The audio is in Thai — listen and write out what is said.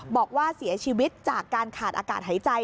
บอกว่าเสียชีวิตจากการขาดอากาศหายใจ